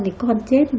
thì con chết